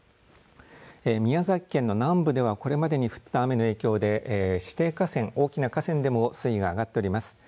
宮崎県の南部ではこれまでに降った雨の影響で指定河川、大きな河川でも水位が上がっております。